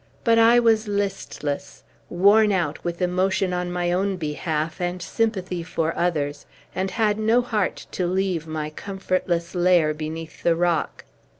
But I was listless, worn out with emotion on my own behalf and sympathy for others, and had no heart to leave my comfortless lair beneath the rock.